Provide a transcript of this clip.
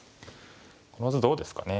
この図どうですかね。